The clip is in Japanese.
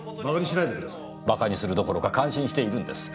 バカにするどころか感心しているんです。